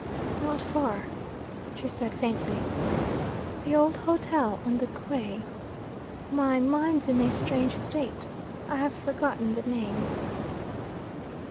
'Not far,' she said faintly. 'The old hotel on the quay. My mind's in a strange state; I have forgotten the name.'